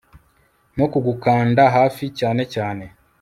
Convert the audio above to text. no kugukanda hafi cyane, cyane